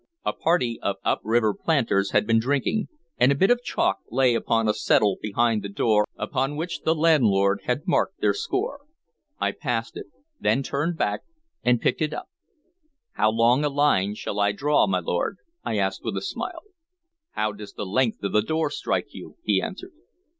A party of upriver planters had been drinking, and a bit of chalk lay upon a settle behind the door upon which the landlord had marked their score. I passed it; then turned back and picked it up. "How long a line shall I draw, my lord?" I asked with a smile. "How does the length of the door strike you?" he answered.